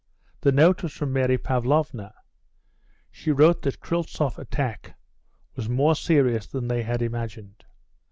The note was from Mary Pavlovna. She wrote that Kryltzoff's attack was more serious than they had imagined.